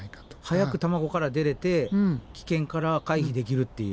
早く卵から出れて危険から回避できるっていう。